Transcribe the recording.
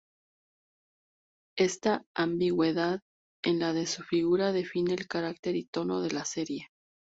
Esta ambigüedad en la su figura define el carácter y tono de la serie.